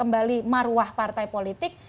membangkitkan kembali kembali maruah partai politik